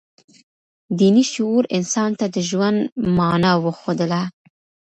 دیني شعور انسان ته د ژوند مانا وښودله.